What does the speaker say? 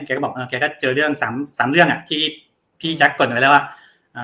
บอกเออแกก็เจอเรื่องสามสามเรื่องอ่ะที่พี่แจ๊คกดเอาไว้แล้วว่าอ่า